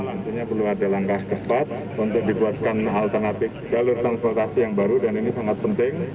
tentunya perlu ada langkah cepat untuk dibuatkan alternatif jalur transportasi yang baru dan ini sangat penting